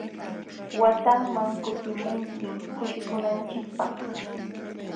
Watanman kutimunkim kushikunanchikpaq.